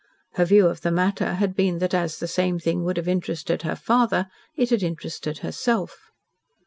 Her view of the matter had been that as the same thing would have interested her father, it had interested herself.